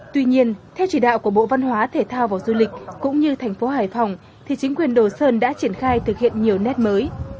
tuy nhiên theo chỉ đạo của bộ văn hóa thể thao và du lịch cũng như thành phố hải phòng thì chính quyền đồ sơn đã triển khai thực hiện nhiều nét mới